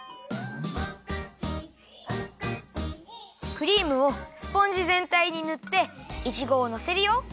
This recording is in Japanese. クリームをスポンジぜんたいにぬっていちごをのせるよ。